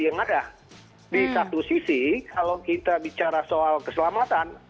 yang ada di satu sisi kalau kita bicara soal keselamatan